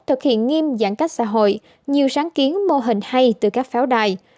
thực hiện nghiêm giãn cách xã hội